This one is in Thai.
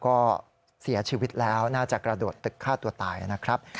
ก็เสียชีวิตแล้วน่าจะกระโดดตึกฆ่าตัวตายนะครับ